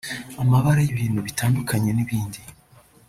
amabara y’ibintu bitandukanye n’ibindi